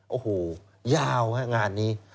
โอ้โหยาวฮะงานนี้